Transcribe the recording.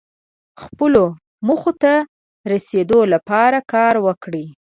خپلو موخو ته رسیدو لپاره کار وکړئ.